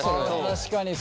確かに。